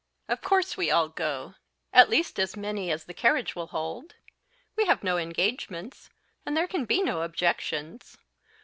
"Of course we all go at least as many as the carriage will hold: we have no engagements, and there can be no objections."